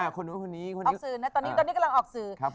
เครื่องนี้กำลังออกสือ